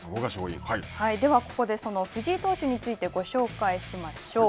では、ここでその藤井投手についてご紹介しましょう。